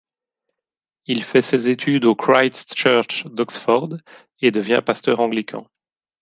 Il fait ses études au Christ Church d’Oxford et devient pasteur anglican.